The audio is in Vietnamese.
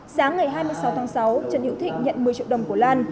sáng ngày hai mươi sáu tháng sáu trần hữu thịnh nhận một mươi triệu đồng của lan